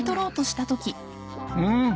うん。